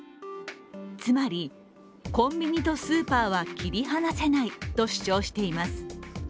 つまり、コンビニとスーパーは切り離せないと主張しています。